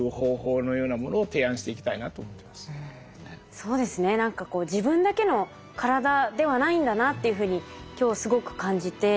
そうですね何かこう自分だけの体ではないんだなっていうふうに今日すごく感じて。